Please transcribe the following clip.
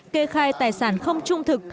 kê khai tài sản không trung thực